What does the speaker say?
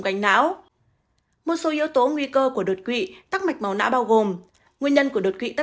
quanh não một số yếu tố nguy cơ của đột quỵ tắc mạch máu não bao gồm nguyên nhân của đột quỵ tắc